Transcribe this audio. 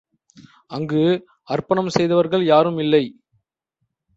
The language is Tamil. அங்கு அர்ப்பணம் செய்தவர்கள் யாரும் இல்லை.